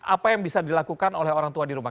apa yang bisa dilakukan oleh orang tua di rumah